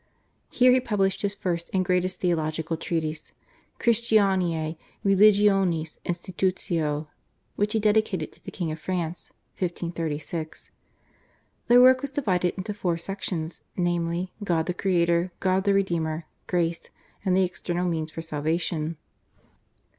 Here he published his first and greatest theological treatise, /Christianae Religionis Institutio/, which he dedicated to the King of France (1536). The work was divided into four sections, namely, God the Creator, God the Redeemer, Grace, and the External Means for Salvation.